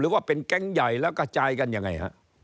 ว่าเป็นแก๊งใหญ่แล้วกระจายกันยังไงฮะ